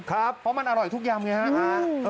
ครับเพราะมันอร่อยทุกยำไงฮะ